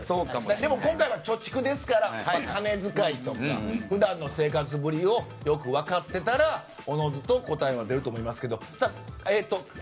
でも今回は貯蓄ですから金遣いとか、普段の生活ぶりをよく分かってたらおのずと答えは出ると思いますけど。